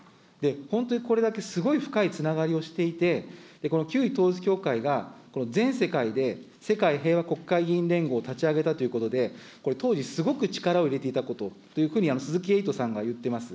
本当にこれだけ、すごい深いつながりをしていて、旧統一教会が全世界で、世界平和国会議員連合を立ち上げたということで、これ、当時、すごく力を入れていたことというふうに、鈴木エイトさんが言っています。